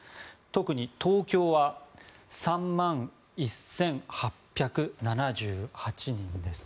特に東京は３万１８７８人です。